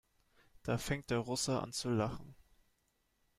Da fängt der Russe an zu lachen.